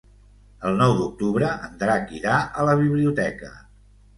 El nou d'octubre en Drac irà a la biblioteca.